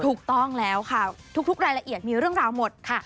ถูกต้องแล้วค่ะทุกรายละเอียดมีเรื่องราวหมดค่ะ